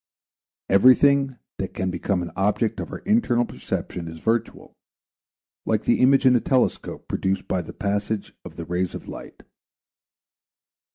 Everything that can become an object of our internal perception is virtual, like the image in the telescope produced by the passage of the rays of light.